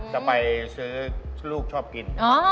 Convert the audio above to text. จะไปซื้อลูกชอบกิน